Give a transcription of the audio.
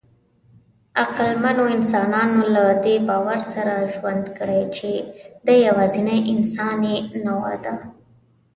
عقلمنو انسانانو له دې باور سره ژوند کړی، چې دی یواځینۍ انساني نوعه ده.